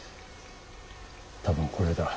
多分これだ。